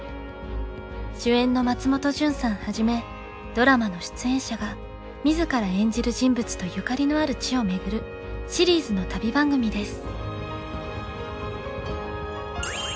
主演の松本潤さんはじめドラマの出演者が自ら演じる人物とゆかりのある地を巡るシリーズの旅番組です。